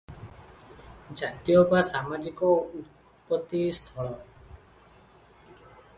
ଜାତୀୟ ବା ସାମାଜିକ ଉତ୍ପତ୍ତିସ୍ଥଳ ।